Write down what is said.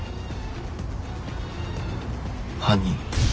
犯人